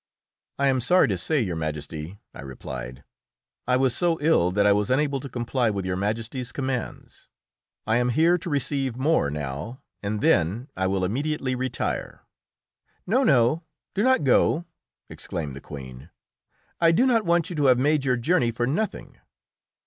"I am sorry to say, Your Majesty," I replied, "I was so ill that I was unable to comply with Your Majesty's commands. I am here to receive more now, and then I will immediately retire." "No, no! Do not go!" exclaimed the Queen. "I do not want you to have made your journey for nothing!"